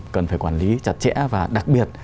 cần phải quản lý chặt chẽ và đặc biệt